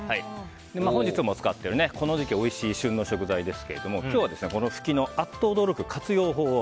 本日使ってる、この時期おいしい旬の食材ですけども今日はこのフキのあっと驚く活用法を